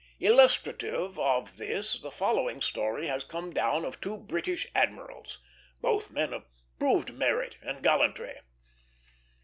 Illustrative of this, the following story has come down of two British admirals, both men of proved merit and gallantry.